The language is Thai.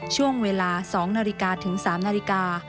ช่วงเวลา๒นาฬิกาถึง๓นาฬิกา